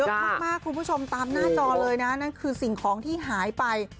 คุณผู้ชมตามหน้าจอเลยนะนั่นคือสิ่งของที่หายไป